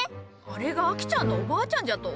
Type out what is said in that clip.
あれがアキちゃんのおばあちゃんじゃと？